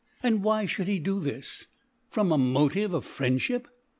And why fliould he do this ? From a Motive of Friendfhip?